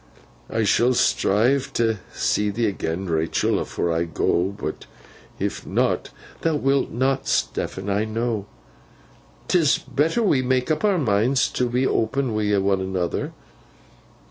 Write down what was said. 'I shall strive t' see thee agen, Rachael, afore I go, but if not—' 'Thou wilt not, Stephen, I know. 'Tis better that we make up our minds to be open wi' one another.